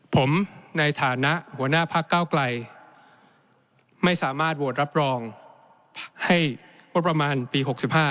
ผมในฐานะหัวหน้าพักเก้าไกลไม่สามารถโหวตรับรองให้งบประมาณปี๖๕